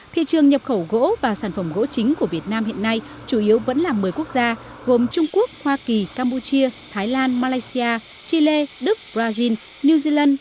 thị trường nhập khẩu gỗ và sản phẩm gỗ chính của việt nam hiện nay chủ yếu vẫn là một mươi quốc gia gồm trung quốc hoa kỳ campuchia thái lan malaysia chile đức brazil new zealand